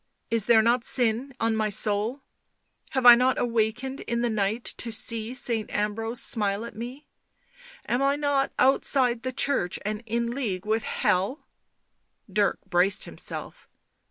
" Is there not sin on my soul 1 Have I not awakened in the night to see Saint Ambrose smile at me ? Am I not outside the Church and in league with Hell V' Dirk braced himself.